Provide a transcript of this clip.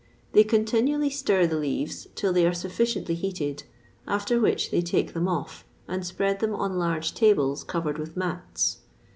They continually stir the leaves till they are sufficiently heated, after which they take them off, and spread them on large tables covered with mats.